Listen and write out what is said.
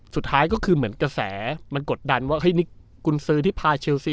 สุดท้ายก็คือเหมือนกระแสมันกดดันว่าเฮ้ยนี่กุญซื้อที่พาเชลซี